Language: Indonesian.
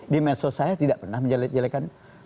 di medsos saya tidak pernah menjelek jelekan